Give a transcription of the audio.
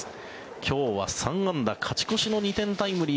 今日は３安打勝ち越しの２点タイムリー。